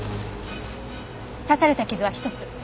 刺された傷は１つ。